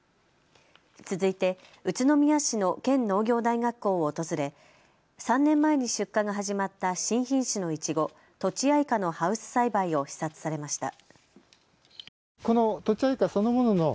続いて宇都宮市の県農業大学校を訪れ３年前に出荷が始まった新品種のイチゴ、とちあいかのハウス栽培を視察されました。